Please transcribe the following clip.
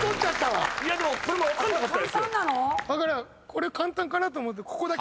これ簡単かなと思って。